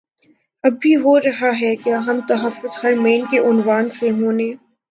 اب بھی ہو رہاہے کیا ہم تحفظ حرمین کے عنوان سے ہونے